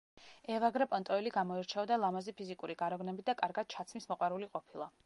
ევაგრე პონტოელი გამოირჩეოდა ლამაზი ფიზიკური გარეგნობით და კარგად ჩაცმის მოყვარული ყოფილა.